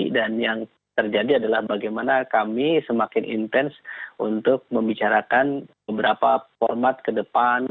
dan yang terjadi adalah bagaimana kami semakin intens untuk membicarakan beberapa format ke depan